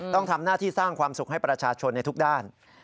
ต้องทำหน้าที่สร้างความสุขให้ประชาชนในทุกด้าน